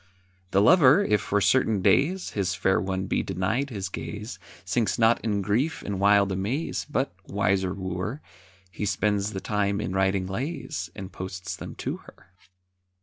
The lover, if for certain days His fair one be denied his gaze, Sinks not in grief and wild amaze, But, wiser wooer, He spends the time in writing lays, And posts them to her.